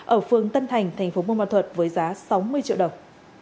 ở phường tân thành thành phố bù mò thuật với giá sáu mươi triệu đồng